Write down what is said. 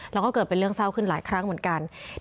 แล้วก็เกิดเป็นเรื่องเศร้าขึ้นหลายครั้งเหมือนกัน